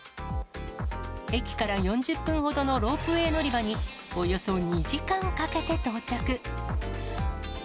駅から４０分ほどのロープウエー乗り場に、およそ２時間かけて到着。